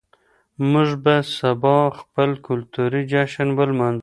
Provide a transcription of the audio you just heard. موږ به سبا خپل کلتوري جشن ولمانځو.